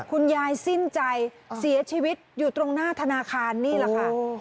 คุณยายสิ้นใจเสียชีวิตอยู่ตรงหน้าธนาคารนี่แหละค่ะ